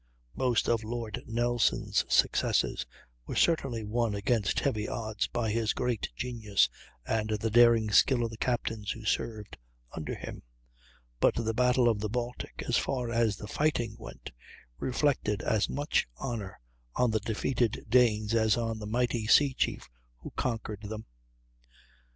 Most of Lord Nelson's successes were certainly won against heavy odds by his great genius and the daring skill of the captains who served under him; but the battle of the Baltic, as far as the fighting went, reflected as much honor on the defeated Danes as on the mighty sea chief who conquered them.